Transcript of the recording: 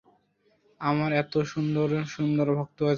আমার এত সুন্দর সুন্দর ভক্ত আছে!